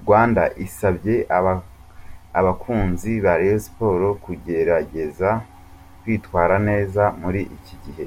Rwanda isabye abakunzi ba Rayon Sports kugerageza kwitwara neza muri iki gihe,.